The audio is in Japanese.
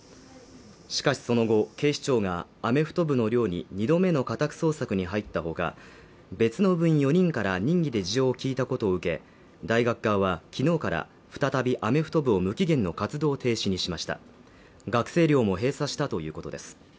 しかしその後警視庁がアメフト部の寮に２度目の家宅捜索に入ったほか別の部員４人から任意で事情を聞いたことを受け大学側は昨日から再びアメフト部を無期限の活動停止にしました学生寮も閉鎖したということです